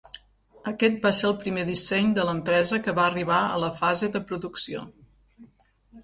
Aquest va ser el primer disseny de l'empresa que va arribar a la fase de producció.